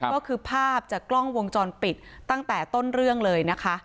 ก็คือภาพจากกล้องวงจรปิดตั้งแต่ต้นเรื่องเลยนะคะ